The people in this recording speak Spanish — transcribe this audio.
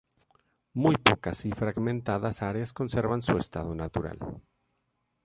Muy pocas y fragmentadas áreas conservan su estado natural.